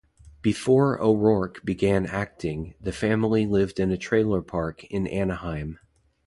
Before O'Rourke began acting, the family lived in a trailer park in Anaheim.